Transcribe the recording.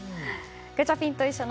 ガチャピンといっしょ！